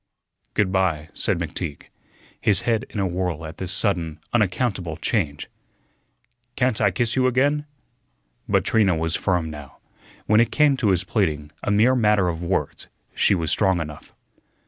"Good by," said McTeague, his head in a whirl at this sudden, unaccountable change. "Can't I kiss you again?" But Trina was firm now. When it came to his pleading a mere matter of words she was strong enough.